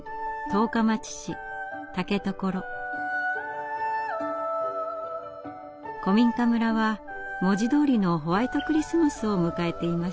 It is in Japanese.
古民家村は文字どおりのホワイトクリスマスを迎えていました。